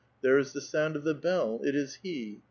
There is the sound of the bell ; it is he.